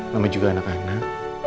lama juga anak anak